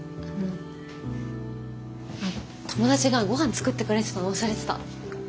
あの友達がごはん作ってくれてたの忘れてた。